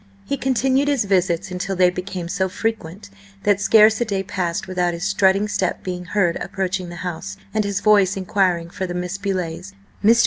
He continued his visits until they became so frequent that scarce a day passed without his strutting step being heard approaching the house and his voice inquiring for the Miss Beauleighs. Mr.